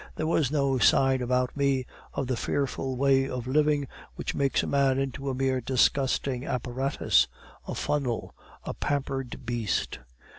There was no sign about me of the fearful way of living which makes a man into a mere disgusting apparatus, a funnel, a pampered beast.